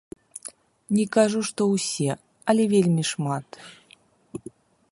Не кажу, што ўсе, але вельмі шмат.